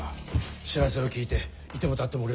知らせを聞いて居ても立ってもおれず。